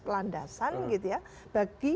landasan gitu ya bagi